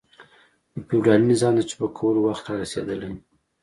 د فیوډالي نظام د چپه کولو وخت را رسېدلی.